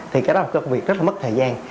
thì cái đó là một công việc rất mất thời gian